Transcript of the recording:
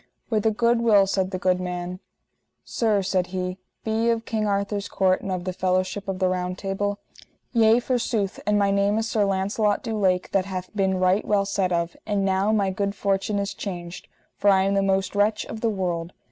With a good will, said the good man. Sir, said he, be ye of King Arthur's court and of the fellowship of the Round Table? Yea forsooth, and my name is Sir Launcelot du Lake that hath been right well said of, and now my good fortune is changed, for I am the most wretch of the world.